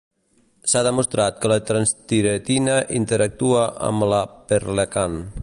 S'ha demostrat que la transtiretina interactua amb la perlecan.